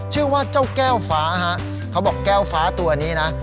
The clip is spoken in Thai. ชื่อว่าเจ้าแก้วฟ้าฮะเขาบอกแก้วฟ้าตัวนี้นะ